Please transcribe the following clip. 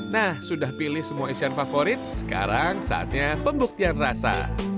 nah sudah pilih semua isian favorit sekarang saatnya pembuktian rasa